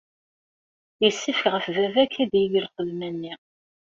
Yessefk ɣef baba ad yeg lxedma-nni.